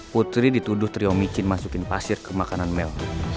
putri dituduh trio micin masukin pasir ke makanan mel